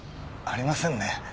ありませんね。